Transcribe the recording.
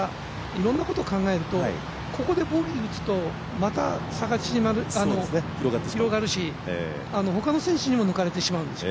いろんなことを考えるとここでボギーを打つとまた差が広がるしほかの選手にも抜かれてしまうんです。